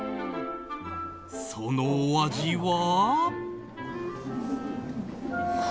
そのお味は？